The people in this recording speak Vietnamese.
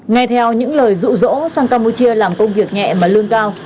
nghe theo những lời rụ rỗ sang campuchia làm công việc nhẹ mà lương cao